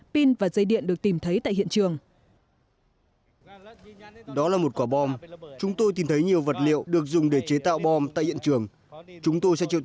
pin và dây điện được tìm thấy tại hiện trường